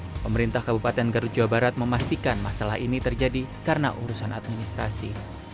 pemerintah kabupaten garut jawa barat memastikan masalah ini terjadi karena urusan administrasi